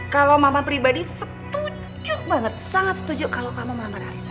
kalau mama pribadi setuju banget sangat setuju kalau kamu mama rai